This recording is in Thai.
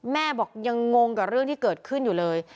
แม่บอกยังงงกับเรื่องที่เกิดขึ้นอยู่เลย